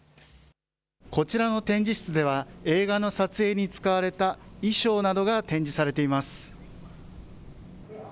こちらの展示室では映画の撮影に使われた衣装などが展示されています。